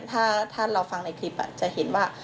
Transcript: ถ้าเราฟังในคลิปจะเห็นว่า